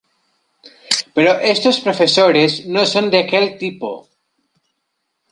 Pero estos profesores no son de aquel tipo.